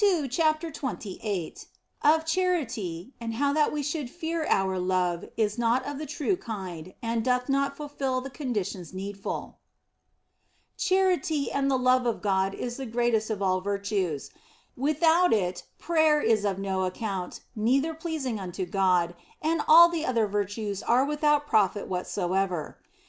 I ; CHAPTER XXVII OF CHARITY, AND HOW THAT WE SHOULD FEAR OUR LOVE IS NOT OF THE TRUE KIND AND DOTH NOT FULFIL THE CONDITIONS NEEDFUL CHARITY and the love of God is the greatest of all virtues ; without it prayer is of no account, neither pleasing unto God, and all the other virtues are without profit whatso ever.